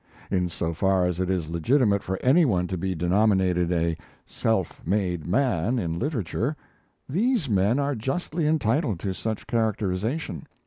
In so far as it is legitimate for anyone to be denominated a "self made man" in literature, these men are justly entitled to such characterization.